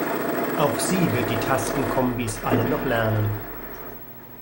Auch sie wird die Tastenkombis alle noch lernen.